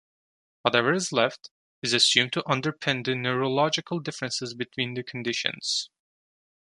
Whatever is left is assumed to underpin the neurological differences between the conditions.